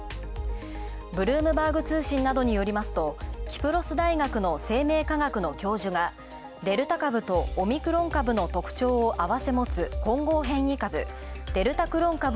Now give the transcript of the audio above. ブルームバーグ通信などによりますと、キプロス大学の生命科学の教授がデルタ株とオミクロン株の特徴をあわせもつ混合変異株、デルタクロン